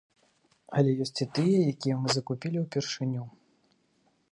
Але ёсць і тыя, якія мы закупілі упершыню.